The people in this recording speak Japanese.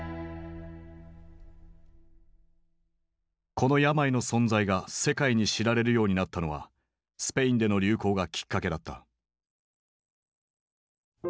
この病の存在が世界に知られるようになったのはスペインでの流行がきっかけだった。